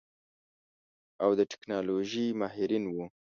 او د ټيکنالوژۍ ماهرين وو.